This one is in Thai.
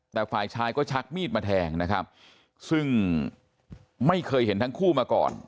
แต่ฝ่ายชายก็ชักมีดมาแทงนะครับซึ่งไม่เคยเห็นทั้งคู่มาก่อน